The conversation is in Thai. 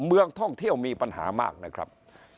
เมืองท่องเที่ยวมีปัญหามากนะครับ